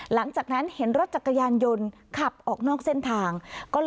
หลังจากนั้นเห็นรถจักรยานยนต์ขับออกนอกเส้นทาง